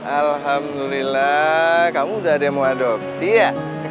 alhamdulillah kamu sudah ada yang mau adopsi ya